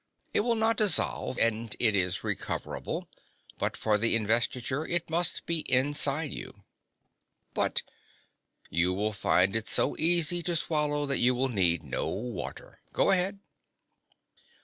It will not dissolve, and it is recoverable, but for the Investiture it must be inside you." "But " "You will find it so easy to swallow that you will need no water. Go ahead."